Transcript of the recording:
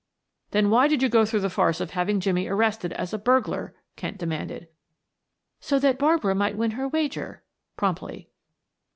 "Then why did you go through the farce of having Jimmie arrested as a burglar?" Kent demanded. "So that Barbara might win her wager," promptly.